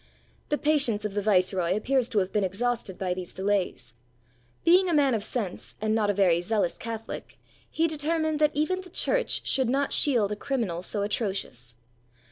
The patience of the viceroy appears to have been exhausted by these delays. Being a man of sense, and not a very zealous Catholic, he determined that even the Church should not shield a criminal so atrocious.